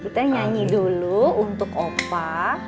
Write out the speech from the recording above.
kita nyanyi dulu untuk opa